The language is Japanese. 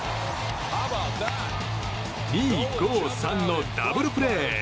２‐５‐３のダブルプレー！